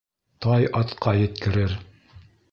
Тай атҡа еткерер